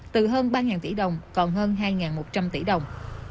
từ hơn ba tỷ đồng còn hơn hai một trăm linh tỷ đồng